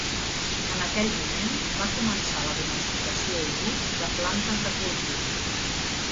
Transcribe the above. En aquell moment va començar la domesticació i l’ús de plantes de cultiu.